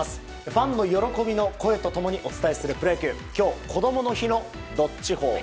ファンの喜びの声と共にお伝えするプロ野球、今日こどもの日の「＃どっちほー」。